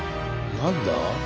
なんだ？